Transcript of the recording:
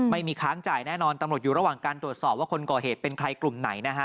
ค้างจ่ายแน่นอนตำรวจอยู่ระหว่างการตรวจสอบว่าคนก่อเหตุเป็นใครกลุ่มไหนนะฮะ